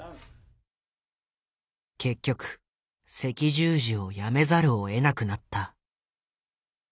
結局赤十字を辞めざるをえなくなった。